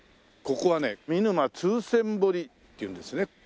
ここはね見沼通船堀っていうんですね。